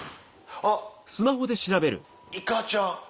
あっいかちゃん。